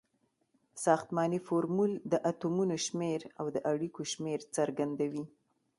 ساختمانی فورمول د اتومونو شمیر او د اړیکو شمیر څرګندوي.